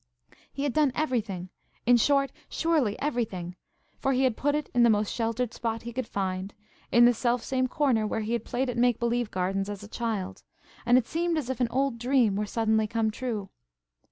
He had done everything, in short–surely everything! For he had put it in the most sheltered spot he could find–in the self same corner where he had played at make believe gardens as a child; and it seemed as if an old dream were suddenly come true.